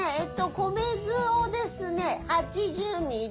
米酢をですね８０ミリ。